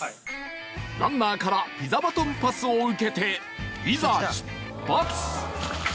ランナーからピザバトンパスを受けていざ出発！